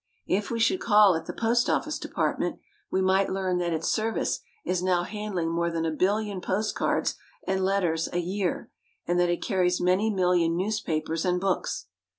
If we should call at the Post Office Depart ment, we might learn that its service is now handling more than a billion post cards and letters a year, and that it carries many million newspapers and books.